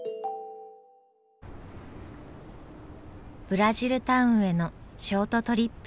ブラジルタウンへのショートトリップ。